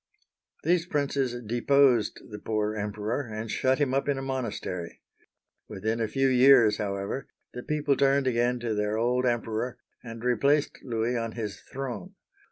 These princes deposed the poor Emperor and shut him up in a monastery. Within a few years, however, the people turned again to their old Emperor, and replaced Louis on his throne.